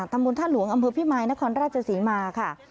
ทัมวนท่านหลวงอำเภอพี่มายนครราชยศรีมาค่ะ